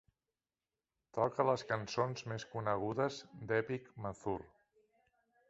Toca les cançons més conegudes d'Epic Mazur.